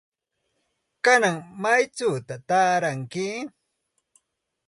¿Kanan maychawta taaranki?